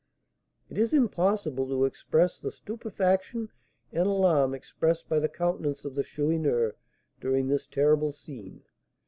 It is impossible to express the stupefaction and alarm expressed by the countenance of the Chourineur during this terrible scene.